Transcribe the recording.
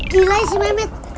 cilai si memet